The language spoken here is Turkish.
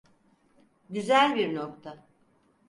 Güzel bir nokta.